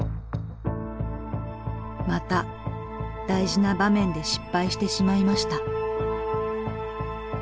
また大事な場面で失敗してしまいました。